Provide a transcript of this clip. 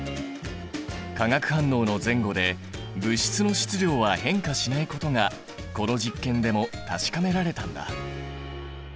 化学反応の前後で物質の質量は変化しないことがこの実験でも確かめられたんだ。